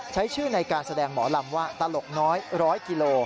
ใช้ชื่อในการแสดงหมอลำว่าตลกน้อย๑๐๐กิโล